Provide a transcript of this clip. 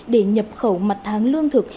để nhập khẩu mặt hàng lương thực